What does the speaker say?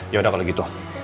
yaudah kalau gitu